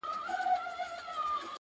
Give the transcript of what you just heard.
اغــــزي يې وكـــرل دوى ولاړل تريــــنه.